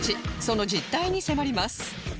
その実態に迫ります